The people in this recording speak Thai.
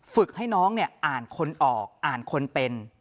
ฝึกให้น้องอ่านคนออกอ่านคนเป็น